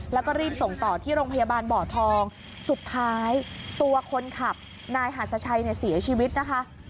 แล้วก็รีบส่งต่อที่โรงพยาบาลบ่อทองสุดท้ายตัวคนขับนายหาสชัยเนี่ยเสียชีวิตนะคะ